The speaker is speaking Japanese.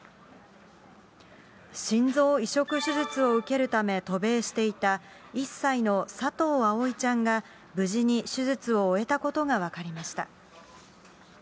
心臓移植手術を受けるため渡米していた、１歳の佐藤葵ちゃんが、無事に手術を終えたことが分かりました。